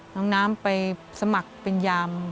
น้องน้ำไปสมัครเป็นยาม